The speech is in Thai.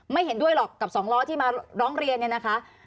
เห็นด้วยหรอกกับสองล้อที่มาร้องเรียนเนี่ยนะคะ